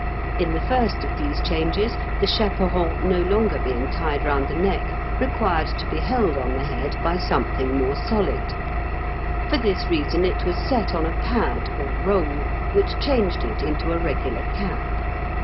In the first of these changes, the chaperon no longer being tied round the neck, required to be held on the head by something more solid. For this reason it was set on a pad or roll, which changed it into a regular cap.